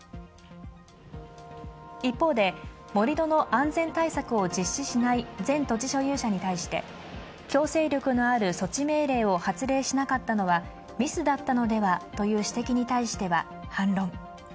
一方で盛り土の安全対策を実施しない前土地所有者に対して、強制力のある措置命令を発令しなかったのはミスだったのではという指摘に対しては反論。